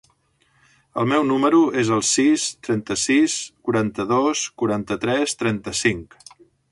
El meu número es el sis, trenta-sis, quaranta-dos, quaranta-tres, trenta-cinc.